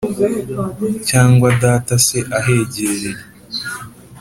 Cyangwa data se ahegereye,